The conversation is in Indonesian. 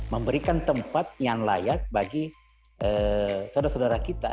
memberikan tempat yang layak bagi saudara saudara kita